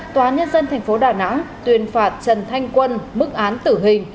tòa án nhân dân thành phố đà nẵng tuyên phạt trần thanh quân mức án tử hình